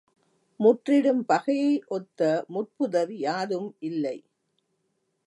முற்றிடும் பகையை ஒத்த முட்புதர் யாதும் இல்லை.